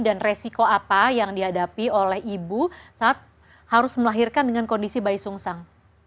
dan resiko apa yang dihadapi oleh ibu saat harus melahirkan dengan kondisi bayi tunggusang